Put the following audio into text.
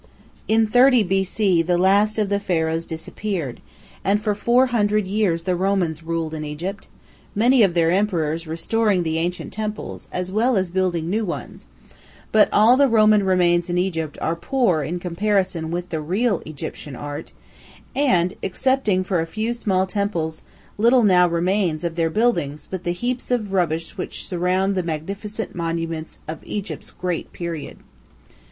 In 30 B.C. the last of the Pharaohs disappeared, and for 400 years the Romans ruled in Egypt, many of their emperors restoring the ancient temples as well as building new ones; but all the Roman remains in Egypt are poor in comparison with the real Egyptian art, and, excepting for a few small temples, little now remains of their buildings but the heaps of rubbish which surround the magnificent monuments of Egypt's great period.